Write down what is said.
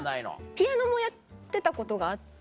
ピアノもやってたことがあって。